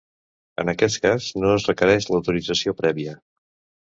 En aquest cas, no es requereix l'autorització prèvia.